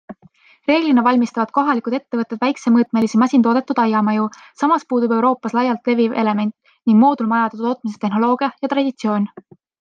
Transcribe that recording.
Reeglina valmistavad kohalikud ettevõtted väiksemõõtmelisi masintoodetud aiamaju, samas puudub Euroopas laialt leviv element- ning moodulmajade tootmise tehnoloogia ja traditsioon.